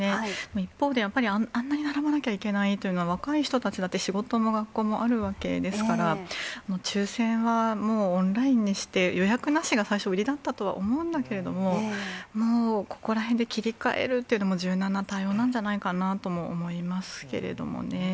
一方で、やっぱりあんなに並ばなければいけないというのは、若い人たちだって、仕事も学校もあるわけですから、抽せんはもうオンラインにして、予約なしが最初、売りだったとは思うんだけれども、もうここらへんで切り替えるっていうのも、柔軟な対応なんじゃないかなと思いますけれどもね。